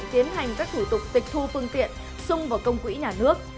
quy định tiến hành các thủ tục tịch thu phương tiện xung vào công quỹ nhà nước